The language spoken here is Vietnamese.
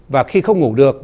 và khi không ngủ được